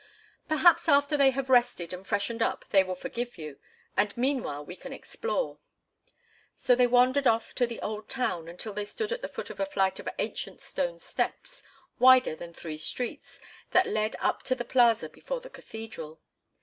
Perhaps after they have rested and freshened up they will forgive you, and meanwhile we can explore." So they wandered off to the old town until they stood at the foot of a flight of ancient stone steps, wider than three streets, that led up to the plaza before the cathedral.